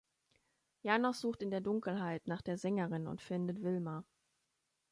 Janos sucht in der Dunkelheit nach der Sängerin und findet Vilma.